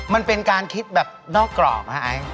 มันเป็นการคิดแบบนอกกรอบฮะไอซ์